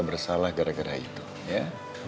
bersalah gara gara itu ya